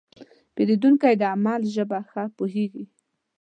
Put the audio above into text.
پیرودونکی د عمل ژبه ښه پوهېږي.